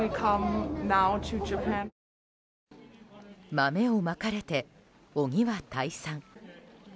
豆をまかれて、鬼は退散。